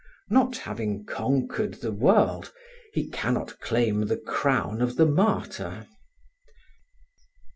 Not having conquered the world, he cannot claim the crown of the martyr.